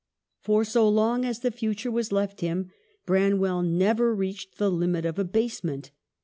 For so long as the future was left him, Bran well never reached the limit of abasement.